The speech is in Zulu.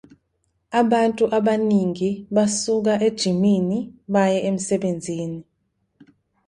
Abantu abaningi basuka ejimini baye emsebenzini.